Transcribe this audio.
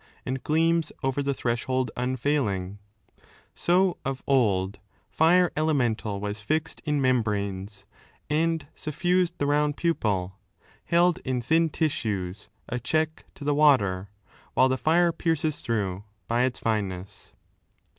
And gleams over the threshold unfailing ; So, of old,' fire elemental was fixed 438 a In membranes, and suffused * the round pupil. Held in thin tissues, a check to the water. While the fire pierces through, by its fineness."